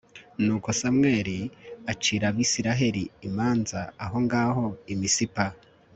nuko samweli acira abayisraheli imanza aho ngaho i misipa